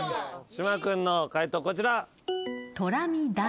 島君の解答こちら。